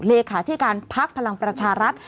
เลขาธิการพักพลังประชารัฐ